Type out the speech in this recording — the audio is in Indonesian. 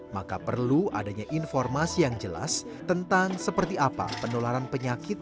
maka perlu adanya informasi yang jelas tentang seperti apa penularan penyakit